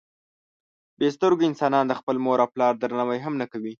بې سترګو انسانان د خپل مور او پلار درناوی هم نه کوي.